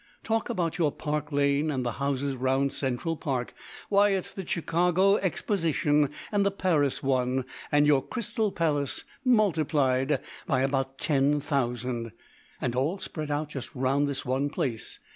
"Talk about your Park Lane and the houses round Central Park; why, it's the Chicago Exposition, and the Paris one, and your Crystal Palace, multiplied by about ten thousand, and all spread out just round this one place.